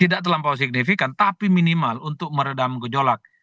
tidak terlampau signifikan tapi minimal untuk meredam gejolak